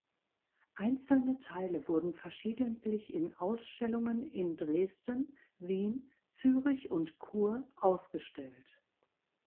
Einzelne Teile wurden verschiedentlich in Ausstellungen in Dresden, Wien, Zürich und Chur ausgestellt.